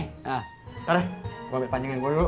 tadah gua ambil pancingin gua dulu